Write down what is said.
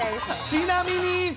ちなみに。